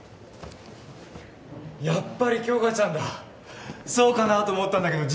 やっぱり杏花ちゃんだそうかなと思ったんだけど